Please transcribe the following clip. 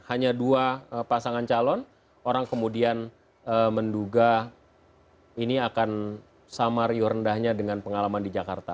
hanya dua pasangan calon orang kemudian menduga ini akan sama riuh rendahnya dengan pengalaman di jakarta